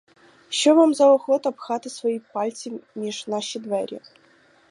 Що вам за охота пхати свої пальці між наші двері?